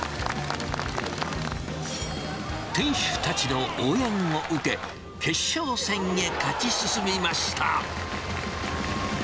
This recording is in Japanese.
店主たちの応援を受け、決勝戦へ勝ち進みました。